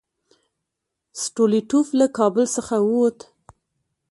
سټولیټوف له کابل څخه ووت.